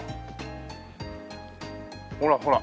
ほらほら。